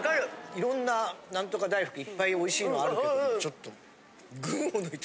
いろんな何とか大福いっぱいおいしいのあるけどちょっと。